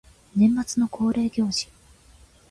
年末の恒例行事